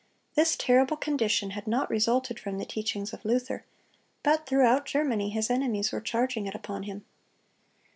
This terrible condition had not resulted from the teachings of Luther; but throughout Germany his enemies were charging it upon him.